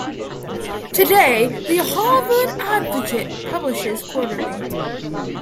Today, the "Harvard Advocate" publishes quarterly.